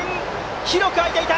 広く空いていた！